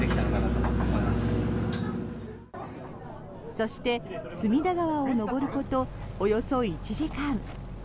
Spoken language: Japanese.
そして隅田川を上ることおよそ１時間。